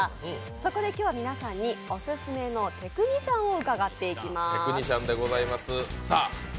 そこで今日は皆さんにオススメのテクニシャンを伺っていきます。